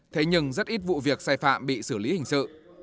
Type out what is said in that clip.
thế nhưng rất ít vụ việc sai phạm bị xử lý hình sự